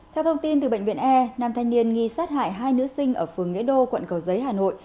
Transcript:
theo thông tin từ bệnh viện e nam thanh niên nghi sát hại hai nữ sinh ở phường nghĩa đô quận cầu giấy hà nội